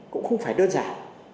cũng không phải đơn giản